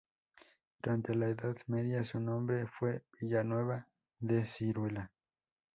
Durante la Edad Media su nombre fue Villanueva de Siruela.